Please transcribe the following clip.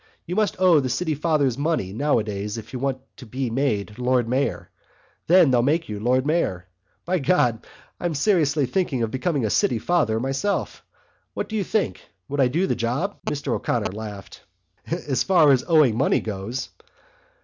"You must owe the City Fathers money nowadays if you want to be made Lord Mayor. Then they'll make you Lord Mayor. By God! I'm thinking seriously of becoming a City Father myself. What do you think? Would I do for the job?" Mr O'Connor laughed. "So far as owing money goes...."